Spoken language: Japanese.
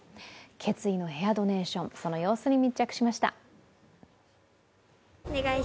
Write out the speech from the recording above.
決意のヘアドネーションその様子に密着しました。